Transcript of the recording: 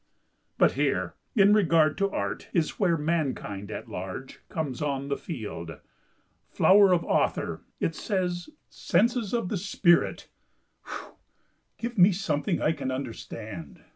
But here, in regard to Art, is where mankind at large comes on the field. "'Flower of author,'" it says, "'Senses of the spirit!' Phew! Give me something I can understand!